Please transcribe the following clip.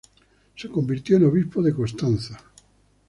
Se convirtió en obispo de Constanza.